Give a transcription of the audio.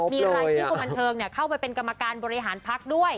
มีรายชื่อคนบันเทิงเข้าไปเป็นกรรมการบริหารพักด้วย